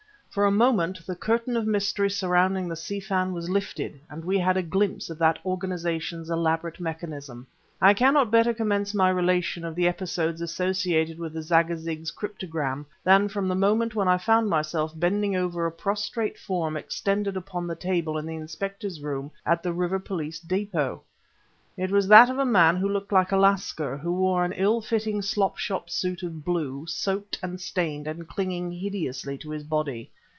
For a moment, the curtain of mystery surrounding the Si Fan was lifted, and we had a glimpse of that organization's elaborate mechanism. I cannot better commence my relation of the episodes associated with the Zagazig's cryptogram than from the moment when I found myself bending over a prostrate form extended upon the table in the Inspector's room at the River Police Depôt. It was that of a man who looked like a Lascar, who wore an ill fitting slop shop suit of blue, soaked and stained and clinging hideously to his body.